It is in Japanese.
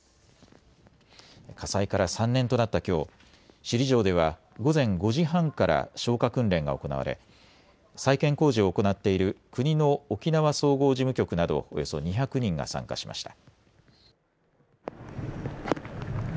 火災から３年となったきょう、首里城では午前５時半から消火訓練が行われ再建工事を行っている国の沖縄総合事務局などおよそ２００人が参加しました。